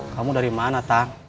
kamu dari mana tang